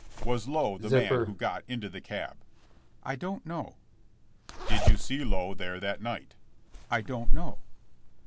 "Was Lowe the man who got into the cab?" "I don't know." "Did you see Lowe there that night?" "I don't know."